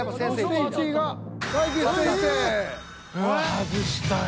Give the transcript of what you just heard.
外したよ。